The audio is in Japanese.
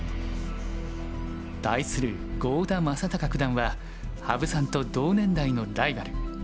対する郷田真隆九段は羽生さんと同年代のライバル。